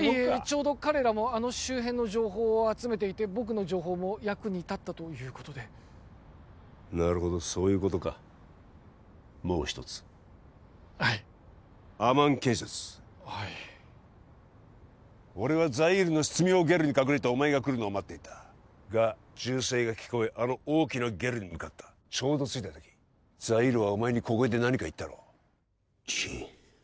ちょうど彼らもあの周辺の情報を集めていて僕の情報も役に立ったということでなるほどそういうことかもう一つはいアマン建設はい俺はザイールの執務用ゲルに隠れてお前が来るのを待っていたが銃声が聞こえあの大きなゲルに向かったちょうど着いた時ザイールはお前に小声で何か言ったろ？